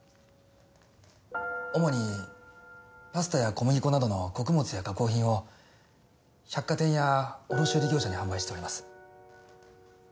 主にパスタや小麦粉などの穀物や加工品を百貨店や卸売業者に販売しております。